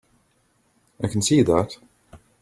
I can see that.